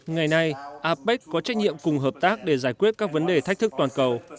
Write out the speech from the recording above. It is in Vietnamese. ngày nay apec có trách nhiệm cùng hợp tác để giải quyết các vấn đề thách thức toàn cầu